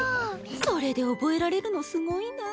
それで覚えられるのすごいな。